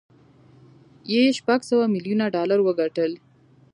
یې شپږ سوه ميليونه ډالر وګټل